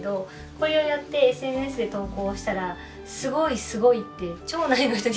これをやってＳＮＳで投稿したら「すごいすごい」って町内の人にめっちゃ言われて。